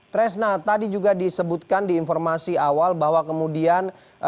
tresna tadi juga disebutkan di informasi awal bahwa kemudian